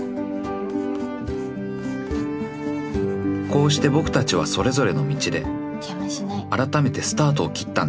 ［こうして僕たちはそれぞれの道であらためてスタートをきったんだ］